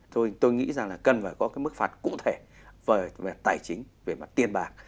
tôi nghĩ rằng là cần phải có cái mức phạt cụ thể về tài chính về mặt tiền bạc